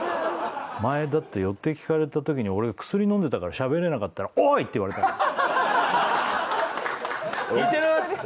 前だって予定聞かれた時に俺が薬飲んでたからしゃべれなかったら「聞いてる？」っつって。